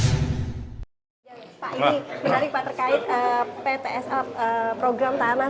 ini kan kita sudah banyak mengunjungi beberapa tempat